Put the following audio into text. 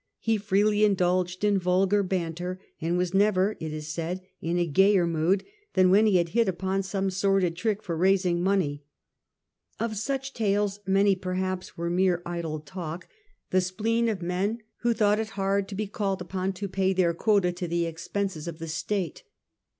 He freely indulged in vulgar banter, and was never, it is said, in a gayer mood than when he had hit upon some sordid trick for raising money. Of such tales many, perhaps, were mere idle talk| the spleen of men who thought it 152 TJie Earlier Empire, a.d. 69 79. hard to be called upon to pay their quota to the expenser of the state.